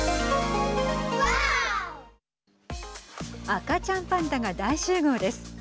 赤ちゃんパンダが大集合です。